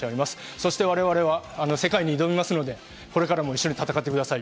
そして我々は世界に挑みますので、これからも一緒に戦ってください！